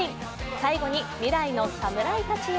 最後に、未来の侍たちへ